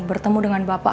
bertemu dengan bapak